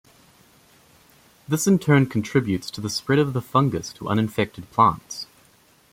This in turn contributes to the spread of the fungus to uninfected plants.